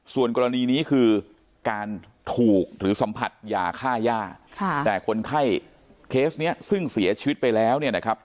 ส่วนกรณีนี้คือการถูกหรือสัมผัสยาค่าย่าแต่คนไข้เคสนี้ซึ่งเสียชีวิตไปแล้วเนี่ยนะครับ